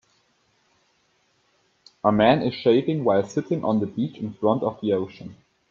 A man is shaving while sitting on the beach in front of the ocean.